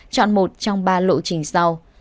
chọn một trong ba lộ trình sau